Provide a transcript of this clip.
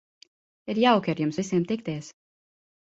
Ir jauki ar jums visiem tikties.